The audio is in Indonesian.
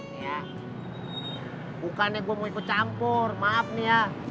bukannya gue mau ikut campur maaf nih ya